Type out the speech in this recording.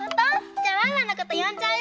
じゃあワンワンのことよんじゃう？